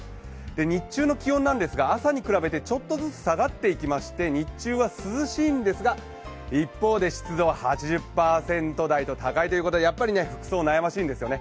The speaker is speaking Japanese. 日中の気温ですが朝に比べて、ちょっとずつ下がっていくんですが日中は涼しいんですが、一方で湿度は８０％台と高いということでやっぱり服装、悩ましいんですよね。